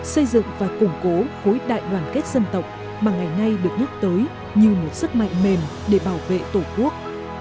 xây dựng và củng cố khối đại đoàn kết dân tộc mà ngày nay được nhắc tới như một sức mạnh mềm để bảo vệ tổ quốc